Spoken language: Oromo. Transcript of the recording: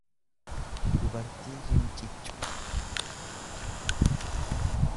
dubartii rinciccu.